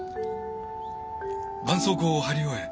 ばんそうこうを貼り終え